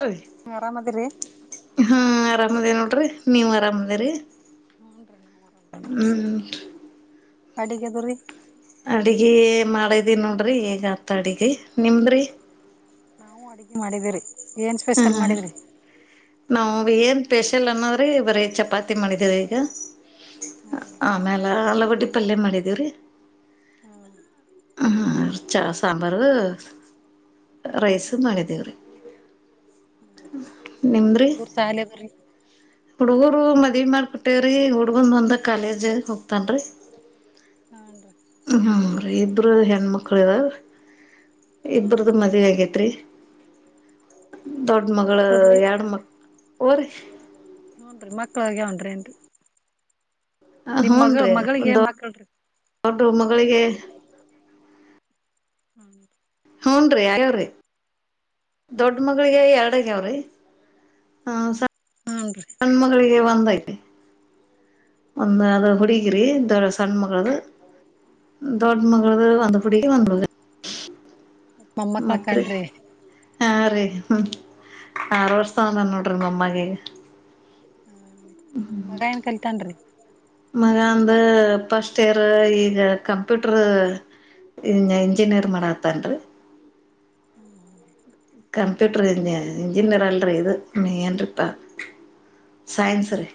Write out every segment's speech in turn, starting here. ಹ ಆರಾಮದಿರಿ ಹ್ಮ ಆರಾಮ. [unintelligible] ನೋಡ್ರಿ ನೀವ್ ಆರಾಮ್ ಅರಿ. [unintelligible] ಅಡಿಗೆದರಿ. ಅಡ್ಗಿ ಮಾಡದಿ ನೋಡ್ರಿ ಇಗ ಆತ ಅಡ್ಗಿ ನಿಮದ್ರಿ. ನಾವು ಅಡುಗೆ ಮಾಡಿದೀರಿ. ಏನ್ ಸ್ಪೆಷಲ್ ಮಾಡಿದ್ರಿ. ನಾವು ಏನ್ ಪೆಷಲ್ ಅನ್ನೋದ್ರಿ ಬರೀ ಚಪಾತಿ ಮಾಡಿದೀರ ಈಗ. ಹ್ಮ್ ಆ ಮೇಲ ಅಲಗಡ್ಡಿ. ಪಲ್ಲೆ ಮಾಡಿದೇವ್ರೀ. ಹ್ಮ್ ಹ ಚ ಸಾಂಬಾರು ರೈಸ್ ಹ್ಮ್ ಮಾಡಿದ್ದೇವ್ರೀ. ಹುಡುಗ್ರು ಶಾಲೆಗರಿ. ಹುಡ್ಗರು ಮದ್ವಿ ಮಾಡ್ಕೊಟ್ಟೇವ್ರೀ ಹುಡ್ಗನ್ ಒಂದ ಕಾಲೇಜ್ ಹೋಗ್ತನ್ರೀ. ಹಾನ್ ರಿ. ಇದ್ರ ಹೆಣ್ಮಕ್ಕಳು. ಇಬ್ರದು ಮದ್ವಿ ಆಗೇತ್ರಿ. ದೊಡ್ಡ ಮಗಳು ಮಕ್ಕಳ್ರಿ ಎರಡು ಮಕ್. ಒ ರಿ. ಹುನ್ ರಿ ಮಕ್ಳ್ ಆಗ್ಯಾವೇನ್ರಿ. ನಿಮ್ ಮಗಳ ಮಗಳಿಗೆ ಮಕ್ಕಳರೀ ಒಬ್ಳು ಮಗಳಿಗೆ. ಹ್ಮ ಹ್ಞನ್ರಿ ಆಗ್ಯವ್ರಿ ದೊಡ್ಡ ಮಗಳಿಗೆ ಎರಡಗ್ಯಾವ್ರಿ. ಹೂನ್ರಿ ಣ್ಮಗಳಿಗೆ ಒಂದ [unintelligible] [unintelligible] ಒಂದ ಅದು ಹುಡಗಿರಿ. ತರ ಸಣಮಗಳ್ದು. ದೋಡ್ ಮಗಳ್ದು ಒಂದ್ ಹುಡುಗಿ ಒಂದು ಹುಡುಗ. ಮೊಮ್ಮಕ್ಕಳ ಮತ್ರಿ ಕಣ್ರಿ ಹಾ ರಿ. ಹ್ಮ ಆರು ವರ್ಷ ದವನ ಅನ್ ನೋಡ್ರಿ ಮೊಮ್ಮಗೀಗ. ಹ್ಮ ಮಗ ಏನ್ ಕಲಿತನ್ರಿ. ಮಗ ಅಂದು ಫಸ್ಟ್ ಇಯರ್ ಈಗ ಕಂಪ್ಯೂಟರ್ ಇಂಜಿನಿಯರ್ ಮಾಡತ್ತನ್ರಿ. ಹ್ಮ್ ಹ್ಮ ಕಂಪ್ಯೂಟರ್ ಇಂಜ ಇಂಜಿನಿಯರ್ ಅಲ್ರಿ ಇದು ಏನ್ರೀಪ್ಪಾ ಸೈನ್ಸ್ ರಿ.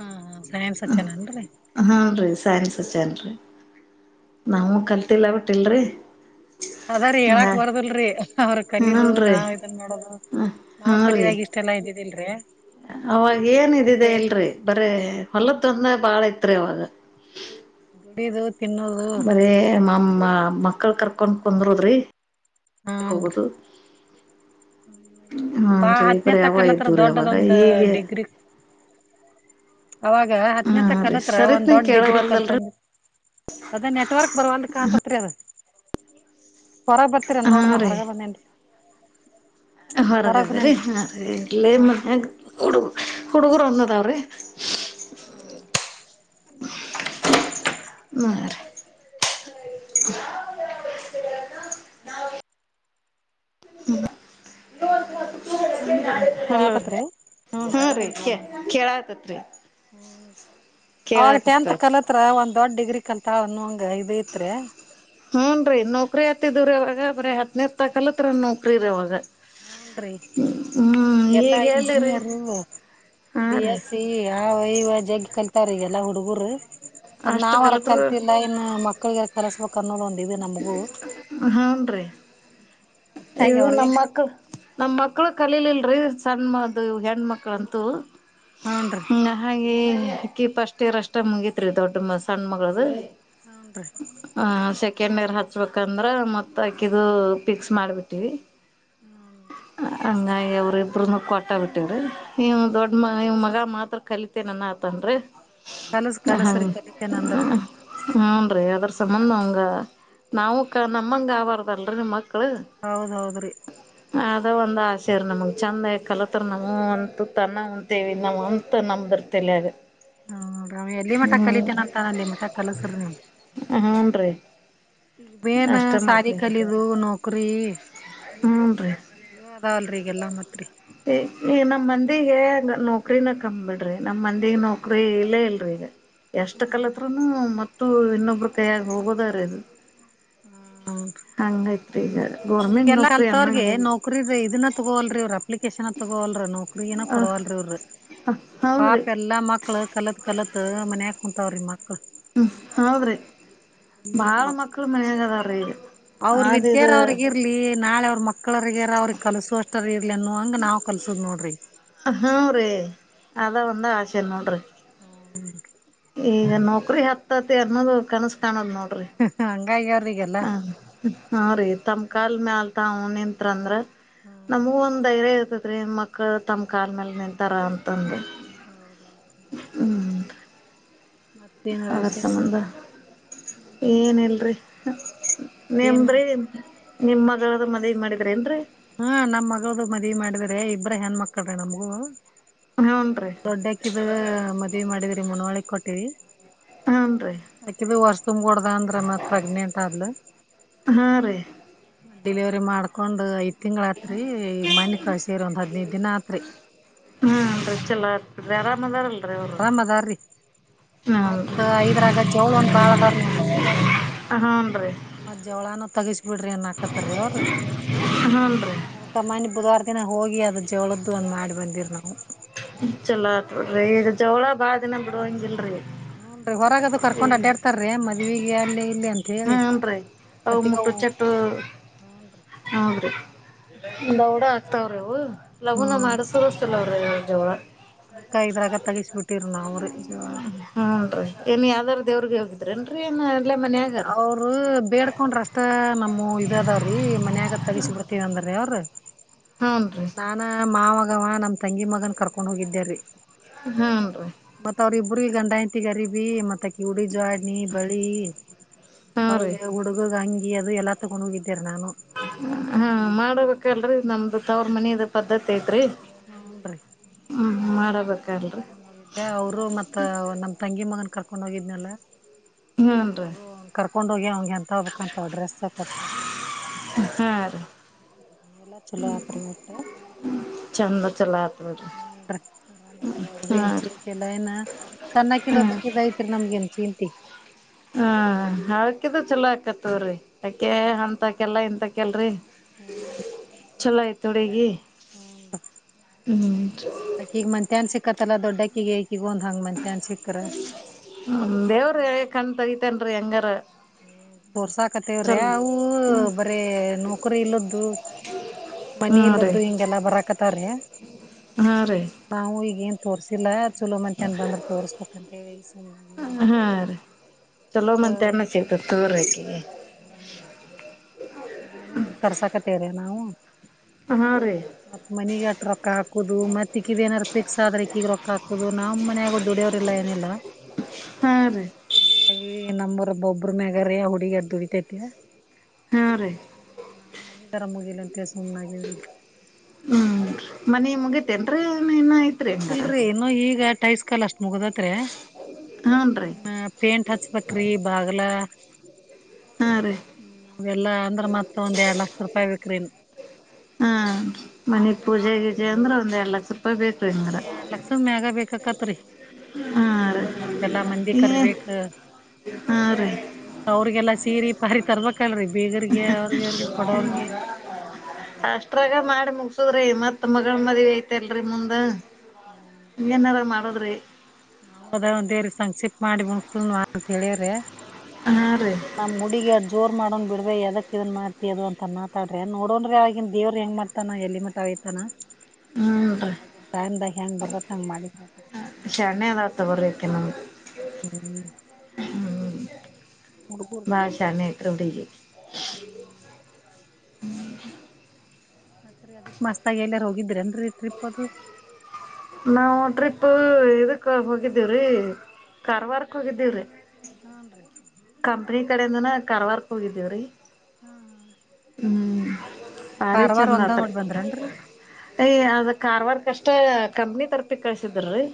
ಹಾ ಹಾ ಸೈನ್ಸ್ ಹಚ್ಚನೇನ್ರಿ? ಹ್ಞೂ ರೀ ಸೈನ್ಸ್ ಅಚ್ಚಾನ್ರೀ ರೀ? ನಮೂ ಕಲ್ತಿಲ್ಲ ಬಿಟ್ಟ ಇಲ್ರಿ. ಅದ ರೀ ಹೇಳಕ್ ಬಾರದಲ್ರರಿ, ಅವ್ರ ಹ್ಞೂ ಕಲೀದು ರೀ ನಾವ್ ಇದನ್ ನೋಡದು ನಾವ್ ಹ್ಞೂ ರೀ ಖಲಿಯಾಗಿ ಇಷ್ಟೆಲ್ಲಾ ಇದೀವಿ [unintelligible] ಅವಾಗ ಏನ್ ಇದಿದೆ ಇಲ್ರಿ. ಬರೇ ಹೊಲ ತೊಂದ ಬಾಳ. ಅತ್ರವಾಗ ದುಡಿದು ತಿನ್ನೋದು ಬರೇ ಮಾಮ್ಮ ಮಕ್ಕಳ ಕರ್ಕೊಂಡ್ ಕುಂದರೋದ್ರಿ. ಹಾನ್ರಿ ಹೋಗುದು. ಬಾ ಹತ್ತನೇ ಬರೀ ಅವ ತಕಲ್ಲತ್ರ ಇದ್ದು ರೀ ಅವಾಗ ದೊಡ್ಡದೊಂದ ಈಗ ಡಿಗ್ರಿ ಅವಾಗ ಹತ್ತನೇ ತ ಹಾಂ ರೀ ಕಲತ್ರ ಒಂದ್ ಸರಿತ್ನ ದೊಡ್ ಡಿಗ್ರಿ ಕೇಳವಲ್ದಲ್ರಿ ಕಲ್ತಂಗ ಅದೇ ನೆಟ್ವರ್ಕ್ ಬರವಲ್ ಕಾಂತತಿ ಅಂತ. [unintelligible] ಹೊರಗ್ ಬರ್ತೀರನ್ ಹಾಂ ನೋಡ್ರ ನಾ ಹೊರಗ ಬಂದೇನ್ರಿ. ಹೊರಗ ಹೊರಗದ ರೀ ಬಂದೇನ್ರಿ ಅರ ಇಲ್ಲೇ ಹೂನ್ರಿ ಮನೆ ಕೊಡ ಹುಡುಗರು ಅನ್ನದಾವ್ರಿ. ಹ್ಮ ಮ ಹಲೋ ಕೇಳಾತತ್ರಿ ಹೂನ್ರಿ ರೀ ಕೇಳ್. ತತ್ರ ಹ್ಮ್ ಅವಾಗ ಟೆಂತ್ ಕಲತ್ರ ಒಂದ್ ದೊಡ್ ಡಿಗ್ರಿ ಕಂತ ಅವನುಂಗ ಇದತ್ ರೀ. ಹೂನ್ ರೀ ನೌಕ್ರಿ ಆತ್ತಿದವ್ರ ಇವಾಗ ಬ್ರೀ ಹತ್ನೇರ್ ತಾಕಲ್ಲತ್ರ ನೌಕ್ರಿರವಾಗ ಹ್ಮ್ ನ್ರಿ ಈಗೆಲ್ಲಾ ಈಗ ಎಲ್ಲಿರಿ ಇಂಜಿನಿಯರ್ ಹಾ ಬಿ ರೀ ಎಸ್ ಸಿ ಆ ವಹಿವ. ಜಗ್ ಕಲ್ತಾರ ಎಲ್ಲ ಹುಡುಗರು. ಅದ್ ಅಷ್ಟ ನಾವ್ ಅರ ಕಲ್ತಿಲ್ಲ ಇನ್ನು ಮಕ್ಕಳಿಗೆರ ಕಲಸ ಹನ್ ರೀ ಹಾಗೆ ಇವು ನಮ್ಮ ಅವ್ರಿಗೇನ್ ಮಕ್ಳ ನಮ್ಮ ಮಕ್ಳು ಕಲಿೀಲಿಲ್ರರಿ ಸಣ್ಣ್ಮದು ಹೆಣ್ಮಕ್ಳಂತೂ. ಹೂನ್ರಿ ಹ್ಮ ಹಾಗಾಗಿ ಅಕ್ಕಿ ಪಷ್ಟಟ್ ಇರಷ್ಟ ಮುಂಗಿತ್ರಿ ದೊಡ್ಡ ಮ ಸಣ್ಣ ಮಗಳದು. ಹನ್ ರೀ ಕೆಣ್ಣರು ಹಚ್ಬೇಕಂದ್ರೆ ಮತ್ತಾಕಿದು ಪಫಿಕ್ಸ್ ಮಾಡ್ಬೇಕು. ಹತವಿ ಹ್ಮ್ ಹಂಗ ಅವವ್ರ ಇಬ್ರನು ಕೊಟ್ಟ ಬಿಟ್ಟೇವ್ರಿ ನೀವ್ ದೊಡ್ ಮ ನಿವ್ ಮಗ ಮಾತ್ರ ಕಲಿತೇನನ್ನ ಆತನ್ರಿ. ಕಲಸ್ ಹ ಕಲಸ್ರಿ ಕಲಿತೇನ ಅಂದ್ರಿ ಹ್ಮನ್ ರೀ ಅದ್ರ ಸಂಮ್ಮನ್ಂಗ ನಾವು ಕ ನಮ್ಮಂಗ ಆಬಾರ್ದಲ್ರಿ ನಿಮ್ಮ್ ಮಕ್ಳು. ಹೌದೌದ್ರಿ ಅದ ಒಂದ್ ಆಸೆರ ನಮಗ್ ಚಂದಗ ಕಲತ್ರ ನಮ ಅಂತು ತನ್ನ ಉಂತೇವಿ ನಮ್ ಅಂತ ನಮ್ದಿರ್ತಲ್ಯಗ. ಹ್ಮ ರಾಮ್ ಎಲ್ಲಿ ಮಠ ಕಲಿತೇನ ಅಂತಾನ ಅಲ್ಲಿ ಮಠ ಕಲಸ್ರಿ ನೀವು ಹೂನ್ ರೀ ಈಗ ಮೇನ್ ಅಷ್ಟ ಸಾಲಿ ಮಾಡ್ತೇವ್ರಿ ಕಲೆದು ನೌಕರಿ ಹೂನ್ [unintelligible] ಎಲ್ಲ ಮಾತ್ರಿ ಈ ಈಗ ನಮ್ ಮಂದಿಗ, ನೌಕ್ರಿನ ಕಾಮ್ಡ್ರಿ ನಮ್ ಮಂದಿಗ್ ನೌಕ್ರಿ ಇಲ್ಲೇ ಇಲ್ರೀ ಈಗ. ಎಷ್ಟು ಕಾಲದರುೂನು ಮ ಅಷ್ಟು ಇನ್ನೊಬರು ಕೈಯಗ ಹೋಗೋದಾರ ಅದು ಹ್ಮ ಹಂಗಾಯ್ತು [inaudible] ಈ ಎಲ್ಲಾ ಕಲ್ತವ್ರಗೆ ನೌಕ್ರರಿ ಇದನ್ನ ತಗೋಲ್ರಿ ಇರು ಅಪ್ಲಿಕೇಶನ್ ತಗೋಲ್ರ ನೌಕರಿ ಏನ ಕೊಡವಲ್ರಿ ಇವ್ರ ಹ ಹೌದ್ರಿ ಪಾಪ ಎಲ್ಲಾ ಮಕ್ಳ ಕಲತ್ ಕಲತ್. ಮನೆ ಹಾಕ ಕುಂತಾವ್ರೀ ಮಕ್ಳ. ಹ್ಮ ಹೌದ್ರಿ ಬಹಳ ಮಕ್ಕಳು ಮನೆಯಾಗ ಅದ ಅರಿಲ್ಲ ಅವ್ರ ಆದ ವಿದ್ಯಾರ ಇದು. ಅವ್ರಿಗ ಇರ್ಲಿ ನಾಳೆ ಅವರ ಮಕ್ಕಳು ಮಕ್ಕಳರಿಗೆರ ಅವ್ರಿಗೆ ಕಲ್ಸು ಅಷ್ಟರಿ ಇರ್ಲಿನ್ನು ಹಂಗ ನಾವ್ ಕಲ್ಸದ್ ನೋಡ್ರಿ ಹ್ಮ ರೀ ಅದ ಒಂದ ಆಸೆ ನೋಡ್ರಿ. ಹ್ಮ ಈಗ ನೌಕರಿ ಹತ್ತತಿ ಅನ್ನೋದು ಕನಸ ಕಾಣೋದು ನೋಡದ ಹಂಗಾಗಿ ಅವ್ರಿಗೆಲ್ಲ ಹ ಹೀ ತಮಕಾಲ್ ಮ್ಯಾಗ ತಾವು. ನ್ಂತ ಅಂದ್ರ. ನಮಗೂ ಒಂದ ಧೈರ್ಯ ಇರ್ [unintelligible] ಮಕ್ಕಳು ತಮ್ಮ ಕಾಲ್ ಮೇಲೆ ನಿಂತಾರ ಅಂತಂದು ಹೌದ ಹ್ಮ್ ಮತ್ತೇನಾರ ಅದರ ವಿಶೇಷ ರೀ ಸಂಬಂಧ ಏನಿಲ್ರಿ ಏನ ನಿಮ್ದ್ರಿ ನಿಮ್ ಮಗಳದು ಮದವೆ ಮಾಡಿದ್ರ ಏನ್ ರೀ. ಹಾ ನಮ್ ಮಗಳದು ಮದುವೆ ಮಾಡಿದ್ರ ಇಬ್ಬ್ರ ಹೆಣ ಮಕ್ಕಳ್ರ ನಮಗೂ. ಹೂನ್ರಿ ದೊಡ್ಡಾಕಿದ ಮದ್ವಿ ಮಾಡಿದ್ರಿ ಮುನ್ವಳ್ಳಿ. ಕೊಟ್ಟವಿ. ಹೂನ್ರಿ ಆಕಿದು ವರ್ಷ್ ತುಂಬಡ್ದ ಅಂದ್ರ ಮತ್ ಪ್ರೆಗ್ನೆಂಟ್ ಆದಲು. ಹಾ ರೀ ಡೆಲಿವರಿ ಮಾಡ್ಕೊಂಡು ಐತ. ತಿಂಗಳಾತ್ರಿ ಈ ಮನೆ ಕಳಿಸಿವಿ ರಿ ಒಂದು ಹದ್ನೈದು ದಿನ ಆಯಿತು ಕರೆ ಹ್ಮ್ ರೀ ಚಲೋ ಅಯ್ತ್ಯ್ ಹ್ಮ ಆರಾಮದ್ರಿ ಮತ್ ಹೂನ್ರಿ ಐದ್ರಾಗ ಜವಳ ಒಂದ ಬಾಳದಾರಿ ಅವನು ಹೂನ್ರಿ ಮತ್ ಜವಳಾನ ತಗಸ ಬಿಡ್ರಿ ಅನ್ ಹಾಕತ್ತಾರಿ ಅವ್ರ ಹೂನ್ರಿ ಅದ ಮನಿ ಬುಧವಾರ ನ ಹೋಗಿ ಅದ್ರ ಜವಳದ್ದು ಒಂದ್ ಮಾಡಿ ಬಂದಿರ್ ನಾವು ಚಲೋ ಆತಡ್ರಿ ಈಗ ಜವಳ ಬಾಳ ದಿನ ಬಿಡ ಹಂಗಿಲ್ರರಿ. ಹೂ ನ್ ರೀ ಹೊರಗದು ಕರ್ಕೊಂಡ್ ಅಡ್ಡಾಡ್ತಾರ್ರೀ ಮದುವೆ ಗೇ ಅಲ್ಲಿ. ಇಲ್ಲಿ ಅಂತ ಹೇಳಿ ಹ್ಮನ್ ರೀ ಅವ ಮತ್ತೀಗ ಮುಟ್ಟು ಹೂನ್ರಿ ಚಟ್ಟ ಹೌದ್ರಿ. ದೌಡ ಆಕ್ತಾವ್ರಿವು. ಲಗುನ ಹ್ಮ್ ಮಾಡಸರ್ಲ್ಲ ಅವ್ ಜೋಳ ಅದಕ್ಕ ಇದ್ರಾಗೆ ತಗುಸ್ಬುಟ್ಟಿವ್ರಿ ನಾವು ರೀ ಜೋಳರಿ. ರಂಡಡು [unintelligible] [unintelligible] ಅಲ್ಲಿ ಮನೆ ಗೌವ್ರೆ. ಅವ್ರು ಬೇಡ್ಕೊಂಡ್ರ ಅಷ್ಟ ನಮ್ಮ ಇದದಾವ್ರಿ ಮನ್ಯಗ್. ತಗಿಸ್ ಬಿಡ್ತೀವಿ ಅಂದ್ರ ಅವರು ಹೂನ್ರಿ ನಾನಾ ಮಾವ ವಾ ನಮ್ ತಂಗಿ ಮಗನ್ ಕರ್ಕೊಂಡ್ ಹೋಗಿದ್ದೆರೀ. ಹಾಂ ರೀ. ಬುಡ್ರಿ ಗಂಡಾ ಹೆಂಡ್ತಿಗರಿಬಿ ಮತ್ತೆ ಕ್ಯುಡಿ ಜಾಡ್ನೀ ಬಳೀ ಹಾ ರೀ ಹ್ಞೂ ರೀ [unintelligible] ಹುಡುಗು ದ ಅಂಗಿ ಅದು ಎಲ್ಲ ತಗೊಂಡೋಗಿದ್ ಹಾ ಮಾಡದು [inaudible] ನಮ್ದು ತವ್ರ್ ಮನಿದು ಪದ್ಧತಿ ಐತ್ರಿ. ಹು ನ್ರಿ. ಮಾಡಬೇ ತಗೊಂಡೋಗಿದ್ದೆ ಅವ್ರು ಮತ್ತೆ ನಮ್ತಂಗಿ ಮಗನ್ ಕರ್ ಕೊಂಡೋಗಿದ್ನಲ್ಲ ಹೂನ್ರಿ ಅವರು ಕರ್ಕೊಂಡೋಗಿ ಅವ್ನಿಗೆ ಎಂತ ಹೋಗ್ಬೇಕಂತ ಡ್ರೆಸ್ ತಕೊಟ್ಕಳ್ಸಿದ್ರು ಹಾ ರೀ ಎಲ್ಲಾ ಚಲೋ ಆತ್ರಿ ಒಟ್ಟ ಚಂದ ಚಲೋ ಆತ್ ಬಿಡ್ರಿ ಹುನ್ರಿ. ಅವ್ರದ್ದು ಹಾ ಏನ್ ರೀ ಚಿಂತೆ ಇಲ್ಲ ಏನ ಸಣ್ಣಾಕಿದ ಹಾ ಬೇಕಿದ್ರ್ ಐತ್ರಿ ನಮ್ಗಿನ್ ಚಿಂತಿ. ಹ್ಮ ಆಕಿದು ಚಲೋ ಆಕತ್ ತಗೋರಿ. ಅಕೆ ಅಂತಕೆಲ್ಲಾ ಇಂತ ಕೆಲ್ರಿ. ಹ್ಮ್ ನ್ರಿ. ಹುಡುಗಿ ಹ್ಮ್ ಅಕಿಗ್ ಮತ್ಯಾನ್ ಸಿಕ್ ಕ್ಕತಲ ದೊಡ್ಡಾಕಿಗೆ ಹ್ಮ ದೇವ್ರ ಹೇಳಿ ಕಣ್ ತಗಿ ತ್ತಾನ್ರಿ ಹೆಂಗಾರ. ತೋರ್ಸಾಕತೇವ್ರಿ ಚಲ್ ಅವು ಬರೇ ನೌಕರಿ ಇಲ್ಲದ್ದು ಮನಿ ಹಾ ರೀ ಇಲ್ಲದ್ದು ಹಿಂಗೆಲ್ಲಾ ಬರಾಕತ್ತವ್ರೀ, ಹಾ ರೀ ನಾವು ಈಗೆ ತೋರ್ರಿಸಿಲ್ಲ ಚಲೋ ಮತ್ತೇನ್ ಬಂದ್ರ ತೋರ್ಸ್ಬೇಕಂತ ಹೇಳಿ ಸುಮ್ನಾಗ ಹೇಳಿ ಹಾ ರೀ ಚಲೋ ಮಂತ್ಯಾನ [unintelligible] ಇ. [inaudible] ಹ. ಕರ್ಸಕತೀವಿ. ಹು. ಹಾ ರೀ ಮನೆ ಗೇ ರೊಕ್ಕ ಹಾಕುದು ಮತ್ತಕ್ಕಿದ ನಾರ ಪಿಕ್ಸ್ ಆದ್ರೆಕ್ಕಿಗ ರೊಕ್ಕ ಹಾಕ. ನಮ್ ಮನಗು ದುಡಿಯೋ್ರಲ್ಲಾ ಏನಿಲ್ಲ. ಹಾ ರೀ ಹ. ನಮ್ಮರ ಒಬ್ಬ ಒಬ್ಬ್ರ ಮ್ಯಗಾರ ಹುಡುಗರ್ ದುಡಿತೈತೆ. ಹಾ ರೀ ಹ್ಮ ನಾವು ಮನೆದರ ಮುಗಿಿಲ್ಲಂತ. ತ್ತ ಸುನ್ನಾಗ್ರ. ಏನ್ ರೀ. ಇಲ್ರರಿ ಇನ್ನು ಈಗ ಟೈಲ್ಸ್ ಕಲ್ ಅಷ್ಟ್ ಮುಗದತ್ರೆ ರೀ. ಹೂನ್ ರೀ ಇನ್ನ ಪೇಂಟ್ ಹಚ್ಬೇಕ್ರಿ ಬಾಗಲ. ಹಾ ರೀ ಇವು ಎಲ್ಲಾ ಅಂದ್ರ ಮತ್ತ ಒಂದ್ ಎರಡ್ ಲಕ್ಷ ರೂಪಾಯಿ ಬಿಕ್ರಿನ್. ಹಾ ಎಲ್ಲ. ಹ್ಮ್ ಎರಡು ಲಕ್ಷ ಮ್ಯಾಗ ಬೇಕಕತ್ತ. ಪತ್ರಿ. ಹಾ ಪೂಜೆಕ ರೀ ಮತ್ತೆಲ್ಲಾ ಮಂದಿ ಈ ಕರಿಬೇಕ ಹಾ ರೀ ಮತ್ತ ಅವ್ರಿಗೆಲ್ಲ ಸೀರಿ ಪರಿ ತರ್ ಅಷ್ಟ್ರಾಗ ಮಾಡಿ ಮುಗಸುದ್ರಿ ಮತ್ ಮಗಳ ಮದುವೇ ಐತಿ. ಮತ್ತ ಎಲ್ರರಿ ಮುಂದ್. ಹ್ಮ್ ಏನಾರ ಮಾಡ್ ಮಾಡ ರೀ. ನಾವು ಅದ ಒಂದೇ ಸಂಕ್ಷಿಪ್ ಮಾಡಿ ಮು ಸುನ್ವಾ ಅಂತ ಹೇಳಿಯ್ರೆ. ಹಾ ರೀ ನಮ್ಮ್ ಗುಡಿಗೆ ಅ ಜೋರ್ ಮಾಡನ್ ಬಿಡ. ಅದಕ್ ಇದನ್ ಮಾಡ್ತ ಅದು ಅಂತ ಮಾತಾಡ್ರಿ ನೋಡೋನ್ ರೀ ಆಗನ್ ದೇವ್ರ ಹೆಂಗ ಮಾಡತಾನ ಎಲ್ಲಿ ಮತ ಇರ್ತನೋ. ಹ್ಮ್ ರೀ ಹಾಗನ್ ಟೈಮ್ದಾಗ ಹೆಂಗ್ ಬರ್ದತ್ ಹಂಗ ಮಾಡಿದು. ತಗೊರೇಕೆ ನಮ್ ಹುಡುಗುರ್ದ ಬಾಳ್ ಏನಿಲ್ಲ ಶಾಣೈತ್ರಿ ಹುಡುಗಿ. ಹ್ಮ್ [unintelligible] ಮತ್ರಿ ಅದಕ್ ಮಸ್ತಾಗ್ ಎಲ್ಲಾರ ಹೋಗಿದ್ರೇನ್ರಿ ಟ್ರಿಪ್ ಅದು? ನಾವು ಟ್ರಿಪ್ಪು ಇದಕ್ ಹೋಗಿದ್ದೀವ್ರಿ ಕಾರವಾರಕ್ ಹೋಗಿದ್ದೀವ್ರಿ. ಹೂನ್ ರೀ. ಕಂಪ್ನಿಕಡೆಯಿಂದನ ಕರವಾರ್ಕ್ ಹೋಗಿದ್ದೀವ್ರೀ. ಹ್ಮ ಹಾ ಹ್ಮ್ ಭಾರಿ ಕಾರವಾರ ಚಂದ ಒಂದ ಆತ್ರಿ ನೋಡ್ ಬಂದ್ರನ್ರಿ ಎಯ್ ಅದ ಕಾರಾರ್ವಾರ್ ಕಷ್ಟ ಕಂಪನಿ ತರ್ಪಿ ಕಳ್ಸಿದ್ರರಿ?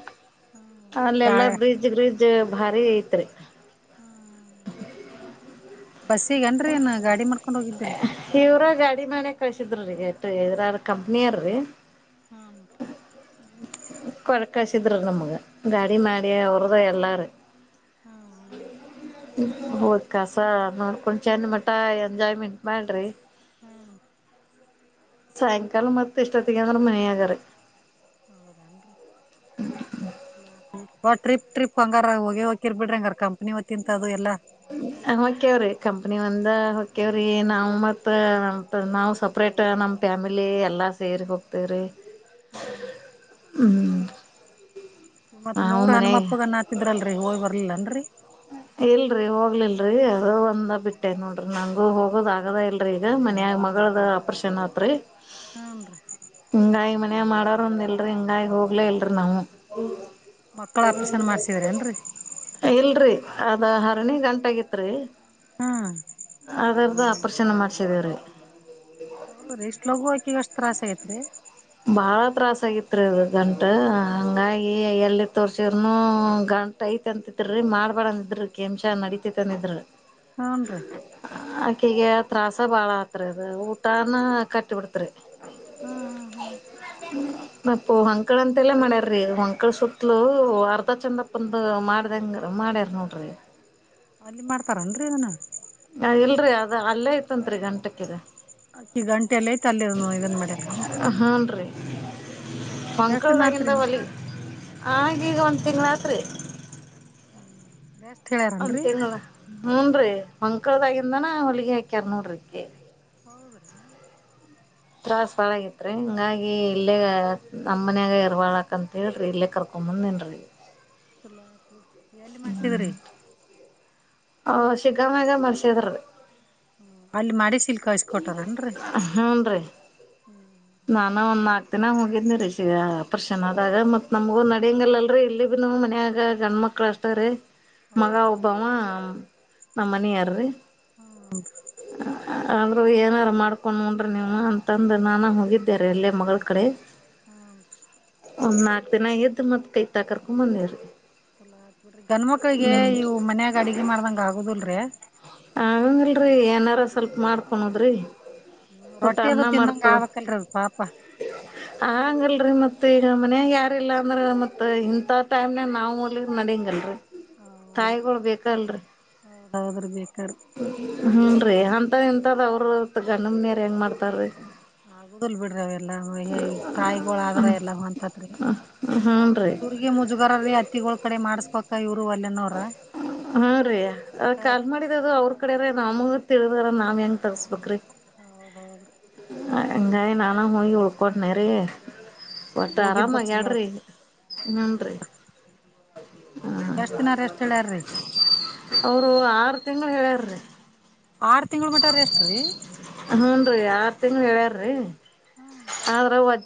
ಗಾ ಅಲ್ಲೆಲ್ಲ ಬ್ರಿಜ್ ಗ್ರಿಜ್ ಜ ಭಾರಿ ಐತ್ರಿ. ಹ್ಮ ಬಸ್ಸಗನ್ರಿ ಏನ್ ಗಾಡಿ ಮಾಡ್ ಇವ್ರ ಗಾಡಿ ಮಾಡಕ್ ಕಳ್ಸಿದ್ರ ರೀಗ ಎಷ್ಟ ಇದ್ರಾರ ಕಂಪ್ನಿಯರೀ. ಹಾ ಕೊಳ್ಕಸಿದ್ರ ನಮ್ಗ ಗಾಡಿ ಮಾಡಿ ಅವ್ರ್ದ ಎಲ್ಲಾರೀ. ಹ್ಮ ಹಾ ಹೋದ್ ಕಸ ನೋಡ್ಕೊಂಡ್ ಚೆಂದ ಮಟ ಎಂಜಾಯ್ಮೆಂಟ್. ಮಾಡ್ರಿ. ಹ್ಮ್ ಸಾಯಂಕಾಲ ಮತ್ ಇಷ್ಟೊತ್ತಿಗೆ ಅಂದ್ರ ಮನೆಯಗಾರಿ. ಹೌದನ್ರಿ. [inaudible] ಒ ಟ್ರಿಪ್ ಟ್ರಿಪ್ ಹಂಗಾರ ಹೋಗಿ ಹೋಕಿರ್ ಬಿಡ್ರಿಂಗಾರ ಕಂಪ್ನಿ ವತ್ತಿಂತ ಅದು ಎಲ್ಲ. ಹೊಕ್ಯೆವ್ರಿ ಕಂಪ್ನಿ ಒಂದ ಹೊಕ್ಯವ್ರಿ ನಾವ್ ಮತ್ ನಾವ್ ಸಪ್ರೇಟ್ ನಮ್ ಫ್ಯಾಮಿಲಿ ಎಲ್ಲಾ ಸೇರಿ ಹೋಗ್ತೇವ್ರಿ. ಹ್ಮ ಹ್ಮ್ ನಾವು ಮತ್ಮೂರ್ ಮನ್ಯಾಗ ಹನುಮಪ್ಪಗನ್ ಅನ್ನ ಹಾಕಿದ್ರಲ್ರಿ ಹೋಯ್ ಬರ್ಲಿಲ್ಲನ್ರಿ. ಇಲ್ರಿ ಹೋಗ್ಲಿಲ್ರರಿ ಅದ ಒಂದ ಬಿಟ್ಟೆ ನೋಡ್ರಿ ನಂಗು ಹೋಗೋದ ಆಗದ ಇಲ್ರರಿ ಈಗ ಮನ್ಯಾಗ್ ಮಗಳದು ಆಪರೇಷನ್ ಆತ್ರಿ. ಹಾನ್ ರೀ ಹಿಂಗಾಯಿ ಮನ್ಯಾಗ್ ಮಾಡಾರ ಒಂದ್ ಇಲ್ರಿ ಹಿಂಗಾಯ ಹೋಗ್ಲ ಇಲ್ರರಿ ನಾವು. ಮಕ್ಕಳ ಆಪ್ರೇಷನ್ ಮಾಡ್ಸಿದ್ರೇನ್ರರಿ ಇಲ್ರಿ. ಅದ ಹರಣಿಗಂಟಾಗಿತ್ರಿ. ಹಾ ಅದರ್ದು ಅಪರೇಷನ್ ಮಾಡ್ಸಿದೇವ್ರೀ. ಓ ಎಷ್ಟ್ ಲೋಗು ಆಕಿಗ್ ಅಷ್ಟು ತ್ರಾಸ್ ಆಗೖತ್ ರೀ ಬಾಳ ತ್ರಾಸ ಆಗಿತ್ರಿ ಅದು ಗಂಟು ಹಂಗಾಗಿ ಎಲ್ಲಿ ತೋರ್ಸಿರನು ಗಂಟೖತ್ ಅಂತತ್ರಿ ಮಾಡ್ಬೇಡಂದಿದ್ರಿ [unintelligible] ನಡಿತೖತಂದಿದ್ರಿ. ಹ್ನ್ ರೀ ಅಕ್ಕಿಗೆ ತ್ರಾಸ ಬಾಳ ಆತ್ರಿ ಅದ ಊಟಾನ ಕಟ್ಟ್ಬಿಡ್ತರಿ. ಹಾ ಹಾ ಹಾ ಮಪ್ಪು ಹೊಂಕಳ ಅಂತೆಲ್ಲಾ ಮಾಡ್ಯಾರ್ರೀ ಹೊಂಕಳ ಸುತ್ತಲು ಅರ್ಧ ಚಂದಪ್ಪಂದು ಮಾಡ್ದಂಗ ಮಾಡ್ಯಾರ ನೋಡ್ರಿ. ಅಲ್ಲಿ ಮಾಡ್ತಾರೇನ್ರಿ ಅದನ ಇಲ್ರಿ ಅದು ಅಲ್ಲೇ ಐತಂರಿ ಗಂಟಕ್ಕಿದ. ಅಕ್ಕಿ ಗಂಟೆಲ್ಲೖತ್ ಅಲ್ಲಿ ಇದನ್ ಮಾಡ್ಯನನ್ರಿ ಪಂಕಳ್ದಿಗಿಂದ ಒಲಿ. ಹಾಗೀಗ್ ಒಂದ್ ತಿಂಗಳಾತ್ರಿ. ಹ್ಮ್ ಎಷ್ಟ್ ಹೇಳ್ಯಾರನ್ರಿ ಅಂತೇನಲ್ಲ ಹ್ಮುನ್. ಡ್ರಿ ಪಂಕಳದಾಗಿಂದಾನ ಹೊಲ್ಗಿ ಹಾಕ್ಯಾರ್ ನೋಡ್ರಿ ಅಕಿಗ್. ಹೌದ್ರಿ ತ್ರಾಸ್ ಬಹಳಗತ್ರಿ ಹಿಂಗಾಗ್ ಈ ಇಲ್ಲೇಗ ನಮ್ಮನ್ಯಾಗ ಇರ್ವಾಳಕ್ ಅಂತೇಳ್ರಿ ಇಲ್ಲೇ ಕರ್ಕೊಬಂದೇನ್ರಿ. [inaudible] ಎಲ್ಲಿ ಮಾಡ್ಸಿದ್ರಿ? ಹ ಶಿಗಾಮಗ ಮಾಡ್ಸಿದ್ರರೀ. ಅಲ್ಲಿ ಮಾಡಿಸಿಲ್ ಕಳ್ಸ್ಕೊಟಾರನ್ರಿ. ಹ್ನ್ ರೀ. ನಾನ ಒಂದ್ ನಾಕ್ ದಿನ ಹೋಗಿದ್ನಿರಿ ಷಗ ಅಪ್ರೇಷನಾದಾಗ ಮತ್ ನಮಗೂ ನಡಿಂಗಲ್ಲಲ್ರಿ ಇಲ್ಲಿಗಿನೂ ಮನ್ಯಾಗ ಗಂಡ್ಮಕ್ಳ ಅಷ್ಟೇ ರೀ. ಮಗಾ ಹೌದ್ರಿ ಒಬ್ಬಾವ. ನಮ್ಮನೆಯಾರಿ. ಹಾ ಏನಾರು ಮಾಡ್ಕೊಂಡ್ ಉಂಡ್ರಿ ನೀವು ಅಂತಂದು ನಾನ ಹೋಗಿ ದ್ದೆರೀ ಮಗಳ್ಕಡೆ. ಹ್ಮ ನಾಲ್ಕ್ ದಿನ ಇದ್ ಮತ್ ಇತಕರ್ಕೊಂಬಂದೇರಿ. ಗಂಡು ಮಕ್ಳಿಗೆ ಇವು ಮನ್ಯಾಗ ಅಡ್ಗೆ ಮಾಡ್ದಂಗಾಗುದಿಲ್ರೀ. ಆಗಂಗಿಲ್ರಿ ಏನಾರ ಸ್ವಲ್ಪ ಹ್ಮ್ ಮಾಡ್ಕಣದ್ರಿ ಸಪ್ಪ ರೊಟ್ಟಿ ಅದು ಅನ್ನ ತಿಂದಂಗ ಮಾಡ್ಕೊಳದ್ ಆಗ್ಬೇಕಲ್ರಿ ಅದ ಪಾಪ ಆಗಗಿಲ್ರಿ ಮತ್ತೆ ಮನ್ಯಾಗಾರಿಲ್ಲ ಅಂದ್ರೆ ಮತ್ತೆ ಇಂಥ ಟೈಮ್ನ ನಾವುಲ್ಲಿ ನಡಂಗಿಲ್ರಿ. ಹೌದ್ರಿ ತಾಯಿಗಳು ಬೇಕಲ್ರಿ. ಹೌದೌದ್ರಿ ಬೇಕಾರ ಹ್ಮ್ ನ್ರಿ ಏ ಅಂತದ್ ಇಂತದ್ ಅವ್ರ್ ಗಂಡನ್ಮನೇರ್ ಹೆಂಗ್ ಮಾಡ್ತಾರ್ರೀ. ಆಗುದಿಲ್ ಬಿಡ್ರಿ ಅವೆಲ್ಲಾ ತಾಯಿಗೊಳಾದ್ರ ಎಲ್ಲಾ ಹೊಂತತ್ರಿ ಹ್ಮ್ ರೀ ಇವುರ್ಗೆ ಮುಜುಗರಾರೀ. ತ್ತಿಗೊಳ್ ಕಡೆ ಮಾಡ್ಸ್ಬೇಕ ಇ ಹಾ ರೀ ಅದಕ್ಕ ಕಾಲ್ ಮಾಡಿದದು ಅವ್ರ್ ಕಡೆನೆ ನಮ್ಗು ತಿಳಿದಾರ ನಾವ್ ಹೆಂಗ ತರ್ಸ್ಬೇಕ್ರಿ. ಹೌದೌದ್ರಿ. ಹಂಗಾಗಿ ನಾನ ಹೋಗಿ ಉಳ್ಕೊಟ್ನೇರಿ. ಒಟ್ಟು ಹೋಗಿದ್ದ ಚಲೋ ಆರಾಮಾಗ್ಯಾಳ್ರಿ ಆತ್ ಹುನ್ರಿ ಹ್ಞ ಹ ಎಷ್ಟ್ ದಿನ ರೆಸ್ಟ್ ಹೇಳ್ಯಾರ್ರಿ ಅವರು ಆರ್ ತಿಂಗ್ಳ್ ಹೇಳ್ಯಾರ್ ರಿ. ಆರ್ ತಿಂಗಳ ಮಟ ರೆಸ್ಟ್ ರೀ ಹ್ನ್ ರೀ ಆರು ತಿಂಗ್ಳ್ ಹೇಳ್ಯಾರ್ರೀ. ಆದ್ರ ವಜ್ಜ ಹ್ಮ